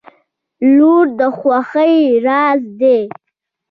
• لور د خوښۍ راز دی.